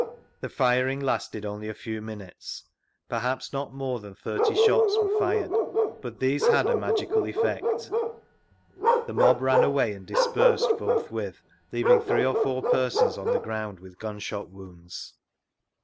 The firing lasted only a few minutes; perhaps tK>t more than thirty shots were fired; but these had a magical effect ; the mob ran away and dispersed forthwith, leaving three or four persons on the ground with gunshot wounds.